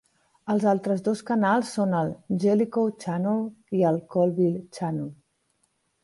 Els altres dos canals són el Jellicoe Channel i el Colville Channel.